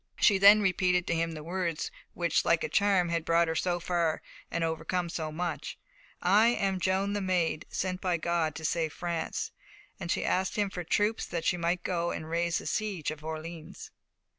She then repeated to him the words which, like a charm, had brought her so far and overcome so much; "I am Joan the Maid, sent by God to save France," and she asked him for troops, that she might go and raise the siege of Orleans.